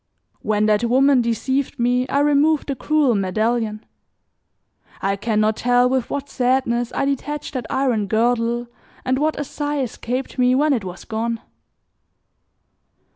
When that woman deceived me I removed the cruel medallion. I can not tell with what sadness I detached that iron girdle and what a sigh escaped me when it was gone.